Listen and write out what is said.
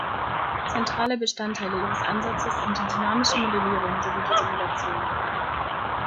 Zentrale Bestandteile ihres Ansatzes sind die dynamische Modellierung sowie die Simulation.